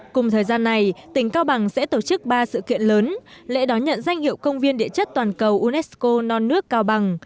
cùng thời gian này tỉnh cao bằng sẽ tổ chức ba sự kiện lớn lễ đón nhận danh hiệu công viên địa chất toàn cầu unesco non nước cao bằng